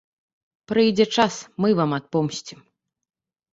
Прыйдзе час, мы вам адпомсцім.